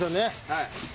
はい。